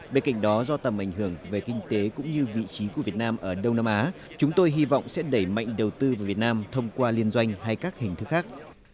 bên cạnh đó do tầm ảnh hưởng về kinh tế cũng như vị trí của việt nam ở đông nam á chúng tôi hy vọng sẽ đẩy mạnh đầu tư vào việt nam thông qua liên doanh hay các hình thức khác